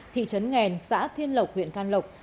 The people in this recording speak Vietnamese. thị trấn nghèn xã thiên lộc huyện can lộc